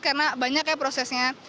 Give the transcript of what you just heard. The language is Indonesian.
karena banyak ya prosesnya